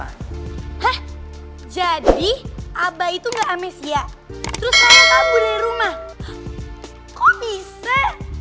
hah jadi abah itu gak amnesia terus raya kabur dari rumah kok bisa